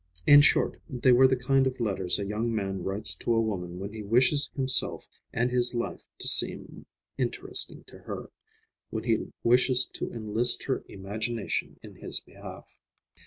In short, they were the kind of letters a young man writes to a woman when he wishes himself and his life to seem interesting to her, when he wishes to enlist her imagination in his behalf.